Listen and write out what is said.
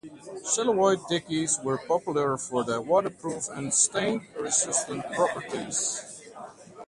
Celluloid dickeys were popular for their waterproof and stain-resistant properties.